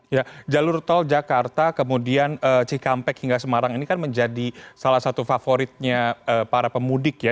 ya jalur tol jakarta kemudian cikampek hingga semarang ini kan menjadi salah satu favoritnya para pemudik ya